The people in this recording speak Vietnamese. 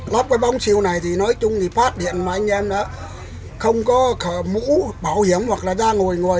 lắp cái bóng siêu này thì nói chung thì phát điện mà anh em không có mũ bảo hiểm hoặc là ra ngồi ngồi